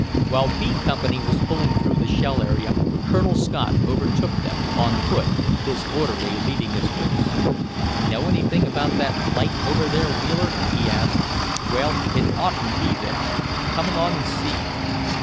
While B Company was pulling through the shell area, Colonel Scott overtook them, on foot, his orderly leading his horse. "Know anything about that light over there, Wheeler?" he asked. "Well, it oughtn't to be there. Come along and see."